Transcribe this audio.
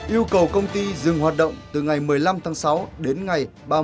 yêu cầu công ty dừng hoạt động từ ngày một mươi năm tháng sáu đến ngày ba mươi